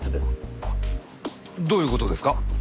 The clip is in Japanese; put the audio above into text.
どういう事ですか？